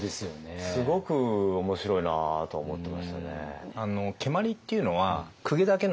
すごくおもしろいなと思ってましたね。